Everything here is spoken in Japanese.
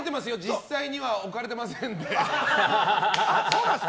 実際には置かれていませんって。